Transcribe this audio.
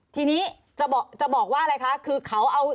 ทีนี้จะบอกว่าอะไรคะคือเขาเอา